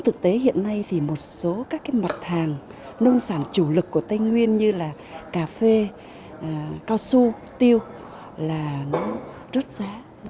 thực tế hiện nay thì một số các cái mặt hàng nông sản chủ lực của tây nguyên như là cà phê cao su tiêu là nó rớt giá